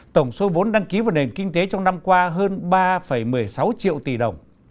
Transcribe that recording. tổng số vốn đăng ký vào nền kinh tế trong năm qua hơn ba một mươi sáu triệu tỷ đồng